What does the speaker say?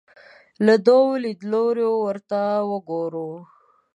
له دوو لیدلوریو ورته وګورو